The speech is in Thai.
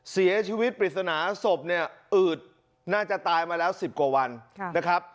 เสียชีวิตปริศนาศพเนี่ยอืดน่าจะตายมาแล้ว๑๐กว่าวันนะครับ